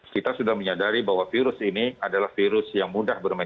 kita sudah menyadari bahwa virus ini adalah virus yang mudah bermain